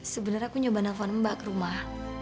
sebenarnya aku nyoba nelfon mbak ke rumah